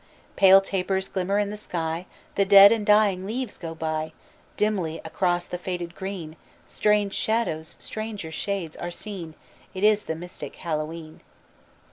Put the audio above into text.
Pale tapers glimmer in the sky, The dead and dying leaves go by; Dimly across the faded green Strange shadows, stranger shades, are seen It is the mystic Hallowe'en.